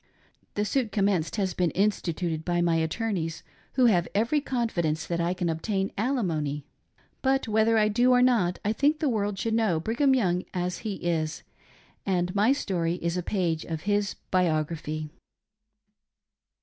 The suit commenced has been instituted by my attorneys, who have every confidence that I can obtain alimony ; but whether I do or not I think the world should know Brigham. Young as he is, and my story is a page of his biography.